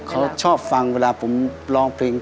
เขาชอบฟังเวลาผมร้องเพลง